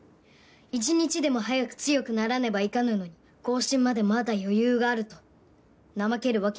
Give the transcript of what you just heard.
１日でも早く強くならねばいかぬのに更新までまだ余裕があると怠けるわけにはいかぬのだ。